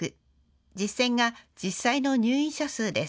実線が実際の入院者数です。